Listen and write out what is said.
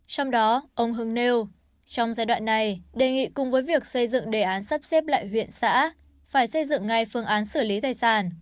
trong đó ông hưng nêu trong giai đoạn này đề nghị cùng với việc xây dựng đề án sắp xếp lại huyện xã phải xây dựng ngay phương án xử lý tài sản